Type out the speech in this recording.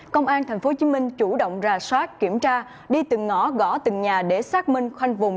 công an tp hcm chủ động ra soát kiểm tra đi từng ngõ gõ từng nhà để xác minh khoanh vùng